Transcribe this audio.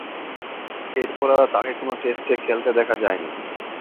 এরপর আর তাকে কোন টেস্টে খেলতে দেখা যায়নি।